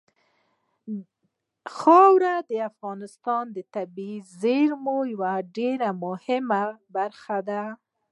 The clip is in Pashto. خاوره د افغانستان د طبیعي زیرمو یوه ډېره مهمه برخه ده.